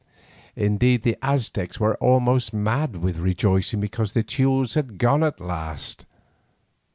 Indeed the Aztecs were almost mad with rejoicing because the Teules had gone at last.